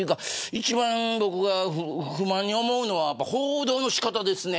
一番僕が不満に思うのは報道の仕方です。